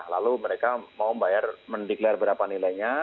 lalu mereka mau membayar mendeklarasi berapa nilainya